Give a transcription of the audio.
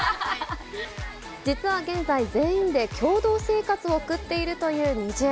実は現在、全員で共同生活を送っているというＮｉｚｉＵ。